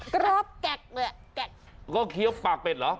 ก็เคี้ยวปากเป็ดเหรอ